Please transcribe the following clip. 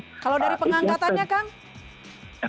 kalau dari pengangkatannya kang